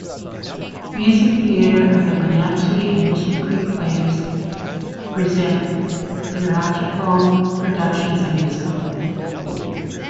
Music Theater of Wenatchee and Mission Creek Players present theatrical productions and musicals.